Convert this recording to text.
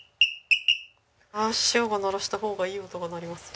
あっ師匠が鳴らした方がいい音が鳴りますね